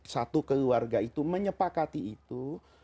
satu keluarga itu menyepakati itu